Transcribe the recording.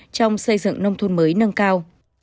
trong xây dựng nông thôn mới nâng cao